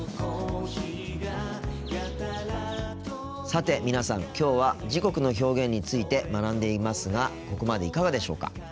さて皆さんきょうは時刻の表現について学んでいますがここまでいかがでしょうか。